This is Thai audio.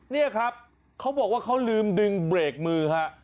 นี่ครับเขาบอกว่าเขาลืมดึงเบรกมือฮะ